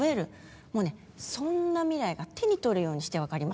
もうね、そんな未来が手に取るようにして分かります。